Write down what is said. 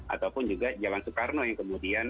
ataupun juga jalan soekarno yang kemudian